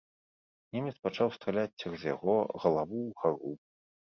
Немец пачаў страляць цераз яго галаву ўгару.